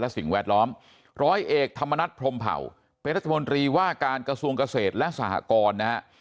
กระทรวงทรัพยากรธรรมชาติและสิ่งแวดล้อมร้อยเอกธรรมนัฐพรมเผ่าเป็นรัฐมนตรีว่าการกระทรวงเกษตรและสหกร